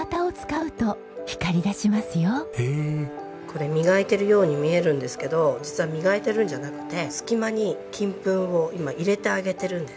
これ磨いてるように見えるんですけど実は磨いてるんじゃなくて隙間に金粉を今入れてあげてるんです。